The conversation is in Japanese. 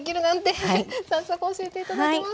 早速教えて頂きます。